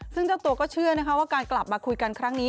ซึ่งเจ้าตัวก็เชื่อนะคะว่าการกลับมาคุยกันครั้งนี้